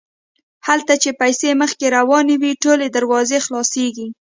هلته چې پیسې مخکې روانې وي ټولې دروازې خلاصیږي.